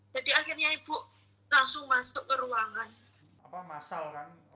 jadi akhirnya ibu langsung masuk ke ruangan